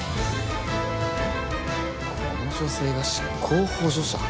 この女性が執行補助者？